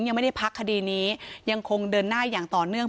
ยังไม่ได้พักคดีนี้ยังคงเดินหน้าอย่างต่อเนื่อง